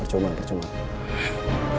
untuk abis bisa ada siapa